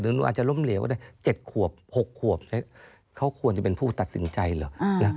หนูอาจจะล้มเหลวก็ได้๗ขวบ๖ขวบเขาควรจะเป็นผู้ตัดสินใจเหรอ